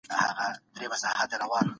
هغوی په صنف کي په لوړ ږغ خبرې کولې.